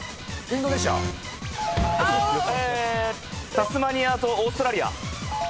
タスマニア島オーストラリア。